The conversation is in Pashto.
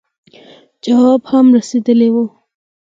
جواب هم رسېدلی وو.